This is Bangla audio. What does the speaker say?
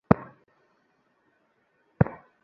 শশী বলিল, এই তো এলাম খনিক আগে।